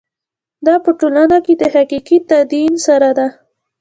دا په ټولنه کې د حقیقي تدین سره ده.